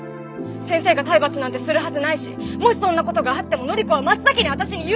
先生が体罰なんてするはずないしもしそんな事があっても範子は真っ先に私に言うはずです！